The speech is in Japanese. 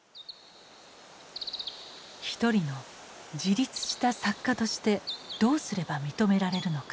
一人の自立した作家としてどうすれば認められるのか。